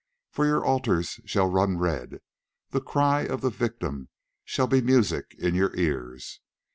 For you the altars shall run red, the cry of the victim shall be music in your ears.